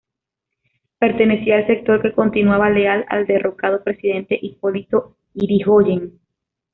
Pertenecía al sector que continuaba leal al derrocado presidente Hipólito Yrigoyen.